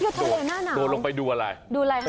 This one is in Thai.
เธอทะเลหน้านาม